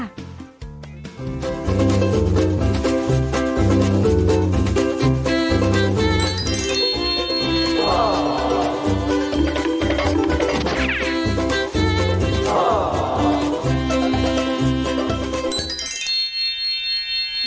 โอ้โห